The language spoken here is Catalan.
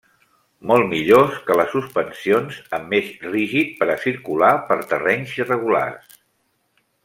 Molt millors que les suspensions amb eix rígid per a circular per terrenys irregulars.